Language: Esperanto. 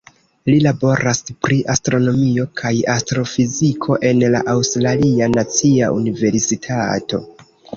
Li laboras pri astronomio kaj astrofiziko en la Aŭstralia Nacia Universitato.